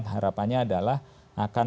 harapannya adalah akan